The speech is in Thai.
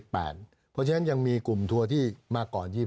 เพราะฉะนั้นยังมีกลุ่มทัวร์ที่มาก่อน๒๐